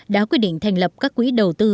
đã quyết định thành lập các quỹ đầu tư